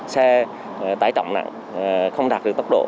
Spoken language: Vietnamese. xe tải trọng nặng không đạt được tốc độ